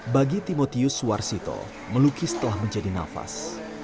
bagi timotius suwarsito melukis telah menjadi nafas